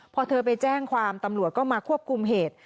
พอเธอไปแจ้งความตำรวจก็มาควบคุมเหตุ